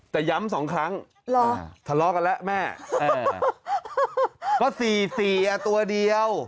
แต่ย้ำสองครั้งหรอทะเลาะกันแล้วแม่เออก็สี่สี่อ่ะตัวเดียว